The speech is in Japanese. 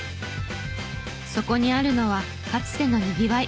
そこにあるのはかつてのにぎわい。